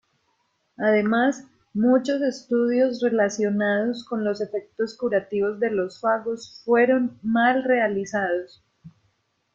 Además, muchos estudios relacionados con los efectos curativos de los fagos fueron mal realizados.